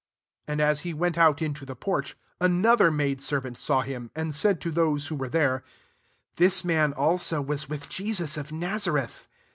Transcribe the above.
71 And as he went out into the porch^ another maid servant saw ^im, and said to those who were there, This man also, was vith Jesus of Nazareth."